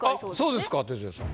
そうですか鉄矢さん。